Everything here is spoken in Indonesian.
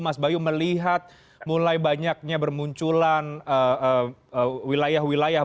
mas bayu melihat mulai banyaknya bermunculan wilayah wilayah